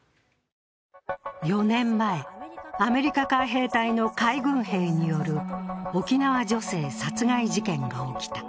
４年前、アメリカ海兵隊の海軍兵による沖縄女性殺害事件が起きた。